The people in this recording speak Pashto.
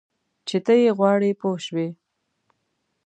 چې ته یې غواړې پوه شوې!.